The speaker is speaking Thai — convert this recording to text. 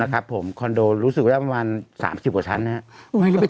นะครับผมคอนโดรู้สึกว่าได้ประมาณสามสี่บาทชั้นนะครับ